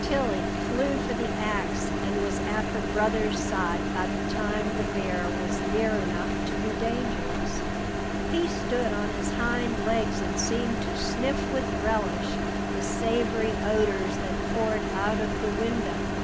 Tilly flew for the ax, and was at her brother's side by the time the bear was near enough to be dangerous. He stood on his hind legs, and seemed to sniff with relish the savory odors that poured out of the window.